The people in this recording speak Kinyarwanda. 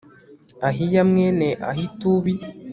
ahiya, mwene ahitubi